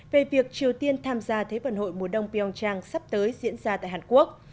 về việc triều tiên tham gia thế vận hội mùa đông pyeongchang sắp tới diễn ra tại hàn quốc